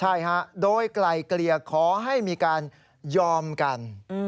ใช่ฮะโดยไกลเกลี่ยขอให้มีการยอมกัน